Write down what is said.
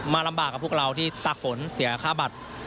ลำบากกับพวกเราที่ตากฝนเสียค่าบัตร